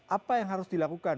apa yang harus dilakukan